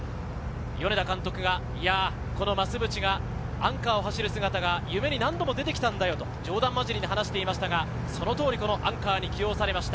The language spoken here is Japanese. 米田監督が増渕が、アンカーを走る姿が夢に何度も出てきたんだと冗談交じりに話していましたが、その通りアンカーに起用されました。